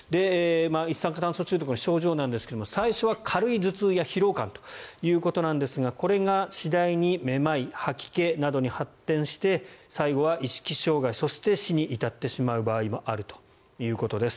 一酸化炭素中毒の症状ですが最初は軽い頭痛や疲労感ということですがこれが次第にめまい、吐き気などに発展して最後は意識障害そして死に至ってしまう場合もあるということです。